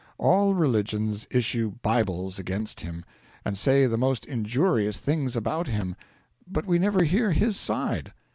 All religions issue Bibles against him, and say the most injurious things about him, but we never hear his side.